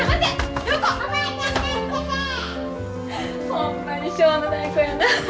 ほんまにしょうのない子やな。